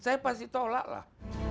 saya pasti tolak lah